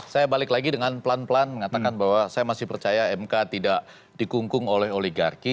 saya balik lagi dengan pelan pelan mengatakan bahwa saya masih percaya mk tidak dikungkung oleh oligarki